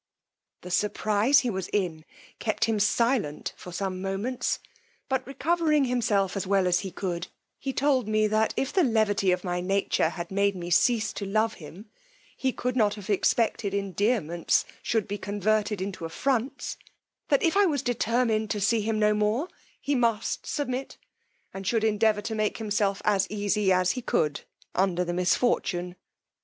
The surprize he was in kept him silent for some moments; but recovering himself as well as he could, he told me, that if the levity of my nature had made me cease to love him, he could not have expected endearments should be converted into affronts; that if I was determined to see him no more he must submit, and should endeavour to make himself as easy as he could under the misfortune.